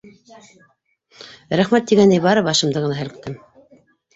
Рәхмәт тигәндәй бары башымды ғына һелктем.